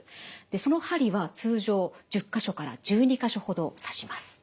その針は通常１０か所から１２か所ほど刺します。